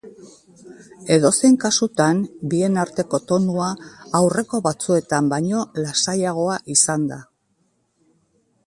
Edozein kasutan, bien arteko tonua aurreko batzuetan baino lasaiagoa izan da.